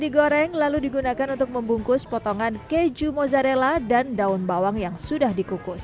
digoreng lalu digunakan untuk membungkus potongan keju mozzarella dan daun bawang yang sudah dikukus